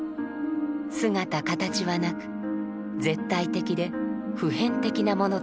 姿かたちはなく絶対的で普遍的なものとされます。